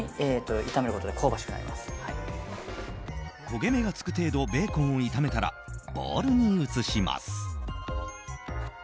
焦げ目がつく程度ベーコンを炒めたらボウルに移します。